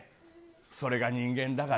それが人間だから。